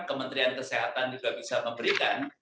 kementerian kesehatan juga bisa memberikan